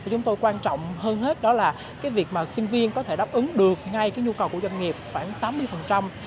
chúng tôi quan trọng hơn hết đó là việc sinh viên có thể đáp ứng được ngay cái nhu cầu của doanh nghiệp khoảng tám mươi